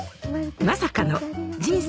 まさかの人生